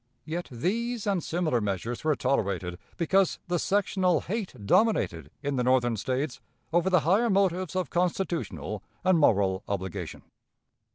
Yet these and similar measures were tolerated because the sectional hate dominated in the Northern States over the higher motives of constitutional and moral obligation.